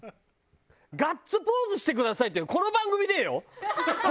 「ガッツポーズしてください」ってこの番組でよ？